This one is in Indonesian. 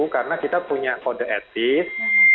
karena kita punya kode etik